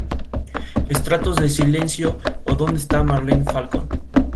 Es una miembro de la Sociedad Histórica Real y Teniente Adjunta para Staffordshire.